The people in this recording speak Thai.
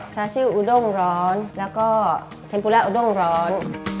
ซาชิลอู้ด้งร้อนและก็แคมปูระอู้ด้งร้อน